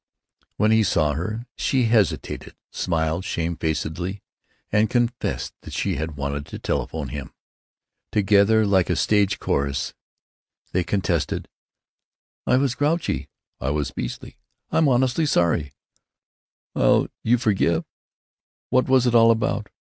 When he saw her, she hesitated, smiled shamefacedly, and confessed that she had wanted to telephone to him. Together, like a stage chorus, they contested: "I was grouchy——" "I was beastly——" "I'm honestly sorry——" "'ll you forgive——" "What was it all about?"